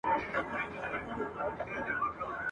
تازه نسیمه د سهار باده !.